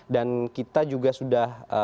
dan kita juga sudah